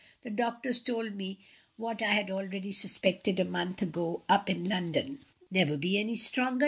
The doctors told me what I had already suspected a month ago up in London." "Never be any stronger!"